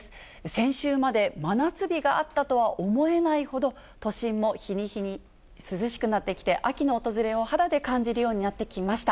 先週まで真夏日があったとは思えないほど、都心も日に日に涼しくなってきて、秋の訪れを肌で感じるようになってきました。